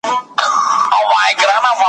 برخه نه لري له آب او له ادبه `